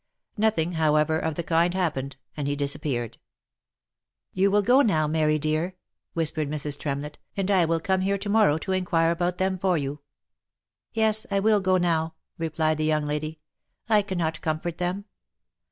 Nothing, however, of the kind hap pened, and he disappeared. " You will go now, Mary dear ?" whispered Mrs. Tremlett, " and I will come here to morrow to inquire about them for you." " Yes, I will go now," replied the young lady, " I cannot comfort them."